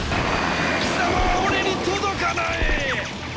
貴様は俺に届かない！